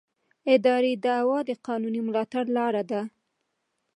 اداري دعوه د قانوني ملاتړ لاره ده.